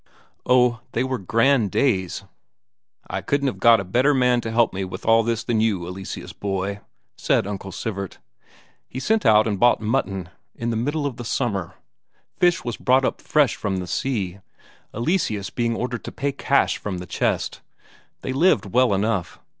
Oh, they were grand days! "I couldn't have got a better man to help with all this than you, Eleseus boy," said Uncle Sivert. He sent out and bought mutton, in the middle of the summer; fish was brought up fresh from the sea, Eleseus being ordered to pay cash from the chest. They lived well enough.